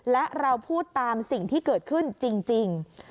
และเราพูดตามสิ่งที่เกิดขึ้นจริง